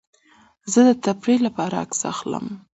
زه د تفریح لپاره عکس اخلم.